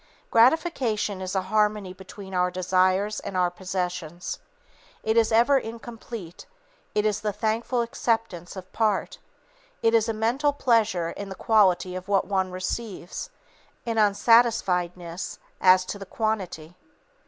Gratification is a harmony between our desires and our possessions. It is ever incomplete, it is the thankful acceptance of part. It is a mental pleasure in the quality of what one receives, an unsatisfiedness as to the quantity.